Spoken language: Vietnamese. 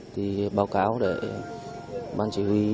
thì báo cáo để ban chỉ huy